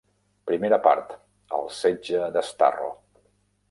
Primera part", "El setge de Starro!